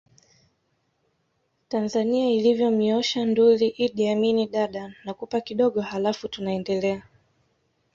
Tanzania ilivyomnyoosha Nduli Iddi Amin Dadaa nakupa kidogo haLafu tunaendelea